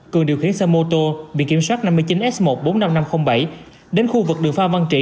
cường điều khiển xe mô tô biển kiểm soát năm mươi chín s một trăm bốn mươi năm nghìn năm trăm linh bảy đến khu vực đường pha văn trị